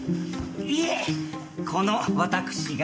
いえこの私が。